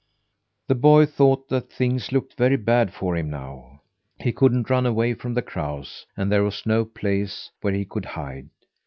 The boy thought that things looked very bad for him now. He couldn't run away from the crows, and there was no place where he could hide.